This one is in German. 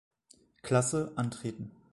Klasse antreten.